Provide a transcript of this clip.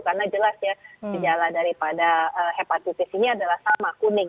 karena jelas ya gejala daripada hepatitis ini adalah sama kuning